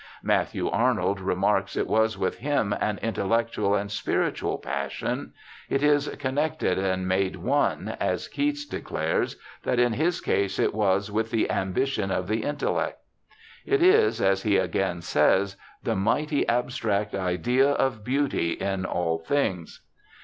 Matthew Arnold remarks it was with him ' an intellectual and spiritual passion. It is " connected and made one " as Keats declares that in his case it was " with the ambition of the intellect ".' It is, as he again says, the 'mighty abstract Idea of Beauty in all things'.